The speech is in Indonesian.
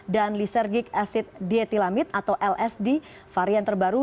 dan lisergic acid dietilamid atau lsd varian terbaru